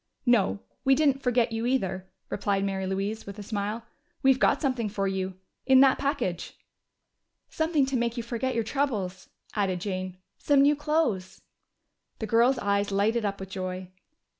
"No, we didn't forget you, either," replied Mary Louise, with a smile. "We've got something for you in that package." "Something to make you forget your troubles," added Jane. "Some new clothes." The girl's eyes lighted up with joy.